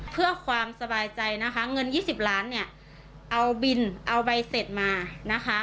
เพื่อความสบายใจนะคะเงิน๒๐ล้านเนี่ยเอาบินเอาใบเสร็จมานะคะ